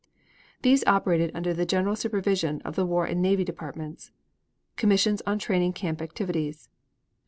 These operated under the general supervision of the War and Navy departments: Commissions on Training Camp Activities.